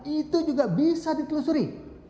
itu juga bisa ditelusuri